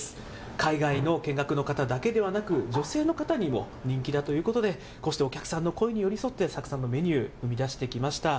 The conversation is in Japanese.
海外の見学の方だけではなく、女性の方にも人気だということで、こうしてお客さんの声に寄り添って、たくさんのメニュー、生み出してきました。